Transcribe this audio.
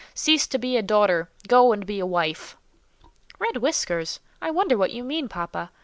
Cease to be a daughter; go and be a wife!" "Red whiskers! I wonder what you mean, papa.